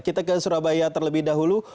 kita ke surabaya terlebih dahulu